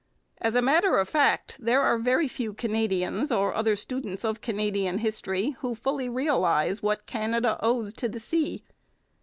As a matter of fact, there are very few Canadians or other students of Canadian history who fully realize what Canada owes to the sea.